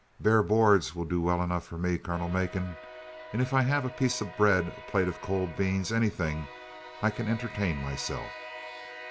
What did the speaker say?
"Bare boards will do well enough for me, Colonel Macon. And if I have a piece of bread, a plate of cold beans anything I can entertain myself."